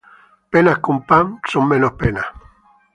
Las penas con pan son menos.